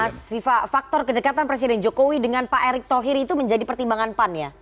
mas viva faktor kedekatan presiden jokowi dengan pak erick thohir itu menjadi pertimbangan pan ya